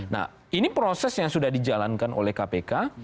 nah ini proses yang sudah dijalankan oleh kpk